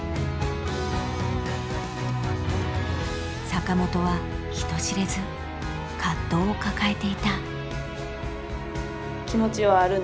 坂本は人知れず葛藤を抱えていた。